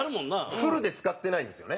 フルで使ってないんですよね。